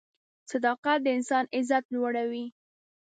صداقت د انسان عزت لوړوي.